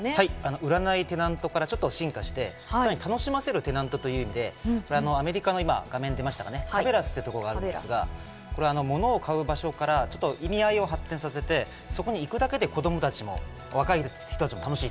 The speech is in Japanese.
売らないテナントから進化して楽しませるテナントということで、アメリカのカベラスというところがあるんですが、物を買う場所から意味合いを発展させて、そこに行くだけで子供たちも若い人たちも楽しい。